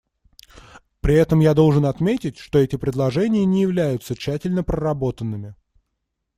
При этом я должен отметить, что эти предложения не являются тщательно проработанными.